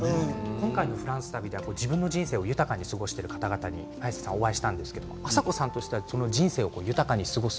今回のフランスでは自分の人生を豊かに過ごしている方にお会いしたんですけど、いとうさんは人生を豊かに過ごす